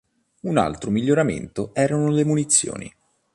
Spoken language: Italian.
Un altro miglioramento erano le munizioni.